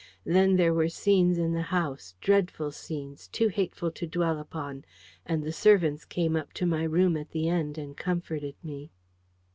Then there were scenes in the house, dreadful scenes, too hateful to dwell upon: and the servants came up to my room at the end and comforted me.